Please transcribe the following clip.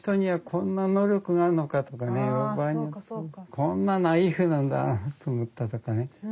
「こんなナイーフなんだ」と思ったとかね。